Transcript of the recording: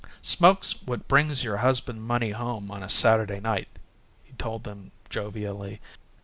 "Smoke's what brings your husbands' money home on Saturday night," he told them, jovially.